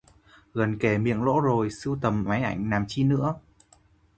Gần kề miệng lỗ rồi, sưu tập máy ảnh làm chi nữa